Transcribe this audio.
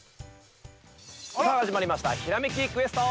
◆さあ始まりました、「ひらめきクエスト」。